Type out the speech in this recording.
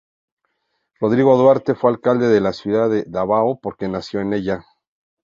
Rodrigo Duterte fue Alcalde de la ciudad de Davao porque nació en ella.